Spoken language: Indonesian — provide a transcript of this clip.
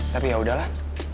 tapi ya udahlah